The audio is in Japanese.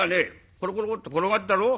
コロコロコロッと転がったろう？